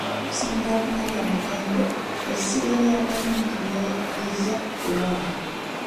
Okusinziira ku Miria Matembe essiga lya gavumenti lyeddiza okulonda.